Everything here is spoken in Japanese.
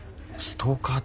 ストーカー！？